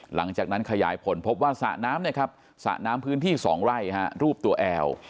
หลังจากนั้นขยายผลพบว่าสะน้ำพื้นที่๒ไร่รูปตัวแอว